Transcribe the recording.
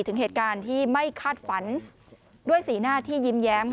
ถึงเหตุการณ์ที่ไม่คาดฝันด้วยสีหน้าที่ยิ้มแย้มค่ะ